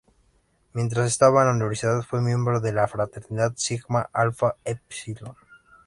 Mientras estaba en la universidad, fue miembro de la fraternidad Sigma Alpha Epsilon.